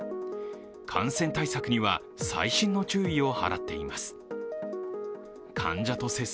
感染対策には、細心の注意を払っています。